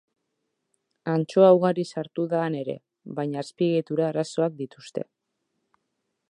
Antxoa ugari sartu da han ere, baina azpiegitura arazoak dituzte.